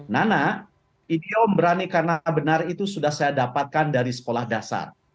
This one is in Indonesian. nana idiom berani karena benar itu sudah saya dapatkan dari sekolah dasar